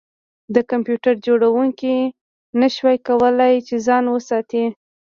د کمپیوټر جوړونکي نشوای کولی چې ځان وساتي